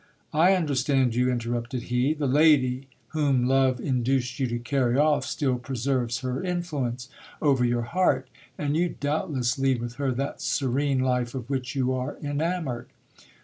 I understand you, inter rupted he ; the lady whom love induced you to carry off still preserves her influence over your heart, and you doubtless lead with her that serene life of which you are enamoured.